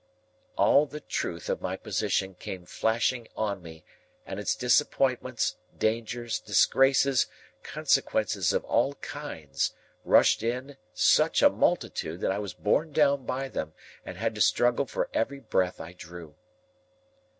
All the truth of my position came flashing on me; and its disappointments, dangers, disgraces, consequences of all kinds, rushed in in such a multitude that I was borne down by them and had to struggle for every breath I drew.